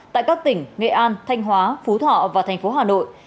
tại các tỉnh nghệ an thanh hóa phú thọ và thành phố hà nội